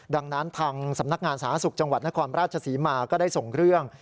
ดังนั้นทางสำนักงานสาธารณสุขจังหวัดนครราชศรีมาก็ได้ส่งเรื่อง